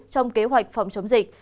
trong kế hoạch phòng chống dịch